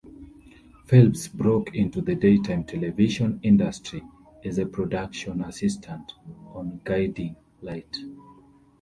Phelps broke into the daytime television industry as a production assistant on "Guiding Light".